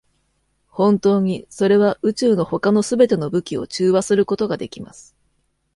本当に、それは宇宙の他のすべての武器を中和することができます。